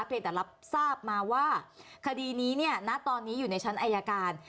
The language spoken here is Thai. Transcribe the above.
เพียงแต่รับทราบมาว่าคดีนี้เนี่ยณตอนนี้อยู่ในชั้นอายการ